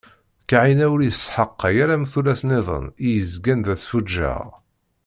Kahina ur iyi-tesxaqay ara am tullas-niḍen i yezgan d asfuǧǧeɣ.